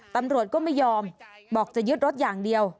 ตำรวจก็ไม่ยอมบอกจะยึดรถอย่างเดียว